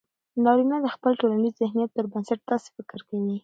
نارينه د خپل ټولنيز ذهنيت پر بنسټ داسې فکر کوي